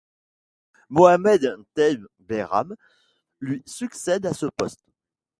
Mohamed Taieb Bayram lui succède à ce poste.